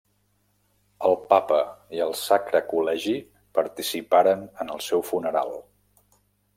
El Papa i el Sacre Col·legi participaren en el seu funeral.